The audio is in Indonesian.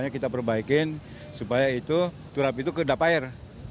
kita perbaikin supaya itu turap itu kedap air